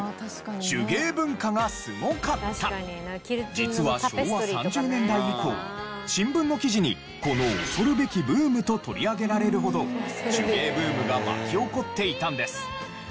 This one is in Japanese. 実は昭和３０年代以降新聞の記事に「このおそるべきブーム」と取り上げられるほど手芸ブームが巻き起こっていたんです。